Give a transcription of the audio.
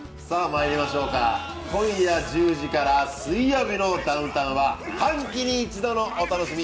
今夜１０時からの「水曜日のダウンタウン」は半期に一度のお楽しみ